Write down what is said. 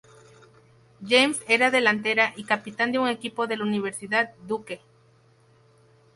James era delantera y capitán de un equipo de la Universidad Duke.